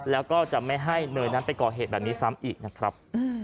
แล้วก็จะไม่ให้เนยนั้นไปก่อเหตุแบบนี้ซ้ำอีกนะครับ